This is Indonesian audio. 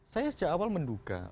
saya sejak awal menduga